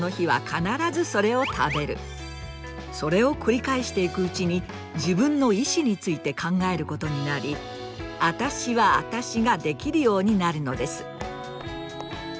それを繰り返していくうちに自分の意思について考えることになり“あたしはあたし”ができるようになるのです。